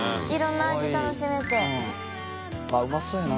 あっうまそうやな。